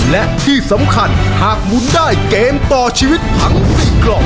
และที่สำคัญหากหมุนได้เกมต่อชีวิตทั้ง๔กล่อง